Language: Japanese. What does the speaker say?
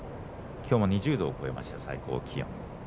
きょうも２０度を超えました最高気温。